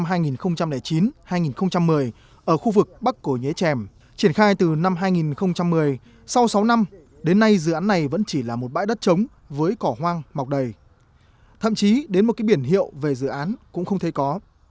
dự án này được phát triển từ năm hai nghìn một mươi ở khu vực bắc cổ nhế trèm triển khai từ năm hai nghìn một mươi sau sáu năm đến nay dự án này vẫn chỉ là một bãi đất trống với cỏ hoang mọc đầy thậm chí đến một cái biển hiệu về dự án cũng không thể có